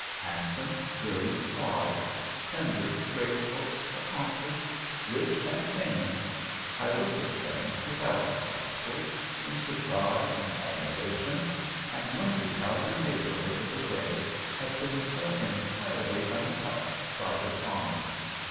Handsome, brilliant, wise, tender, graceful, accomplished, rich, and famous, I looked at him, without the spectacles, in surprise, and admiration, and wondered how your neighbor over the way had been so entirely untouched by his homage.